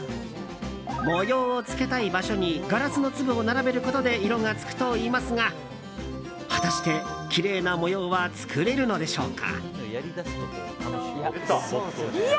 模様をつけたい場所にガラスの粒を並べることで色がつくといいますが果たして、きれいな模様は作れるのでしょうか？